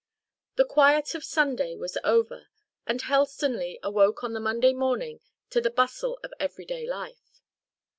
The quiet of Sunday was over, and Helstonleigh awoke on the Monday morning to the bustle of every day life.